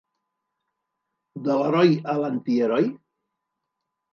De l'heroi a l'antiheroi?